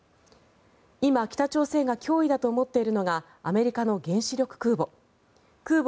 今、北朝鮮が脅威だと思っているのがアメリカの原子力空母。